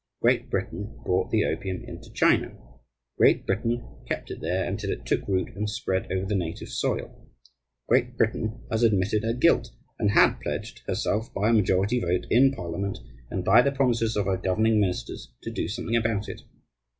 Great Britain brought the opium into China. Great Britain kept it there until it took root and spread over the native soil. Great Britain has admitted her guilt, and had pledged herself by a majority vote in Parliament, and by the promises of her governing ministers, to do something about it.